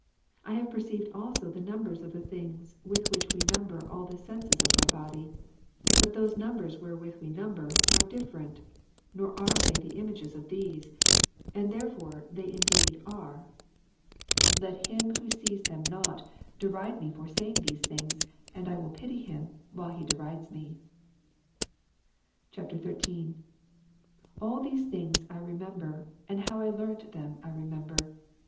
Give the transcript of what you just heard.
I have perceived also the numbers of the things with which we number all the senses of my body ; but those numbers wherewith we number, are difTerent, nor are they the images of these, and therefore they in deed are. Singular anomaly betweenfeeJings and thememory of tliem. 193 Let him who seeth them not, deride me for saying these things, and I will pity him, while he derides me. [XIII.] 20. All these things I remember, and how I learnt them I remember.